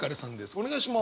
お願いします。